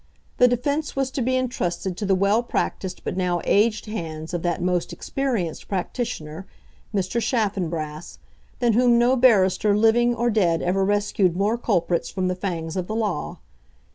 The defence was to be entrusted to the well practised but now aged hands of that most experienced practitioner Mr. Chaffanbrass, than whom no barrister living or dead ever rescued more culprits from the fangs of the law.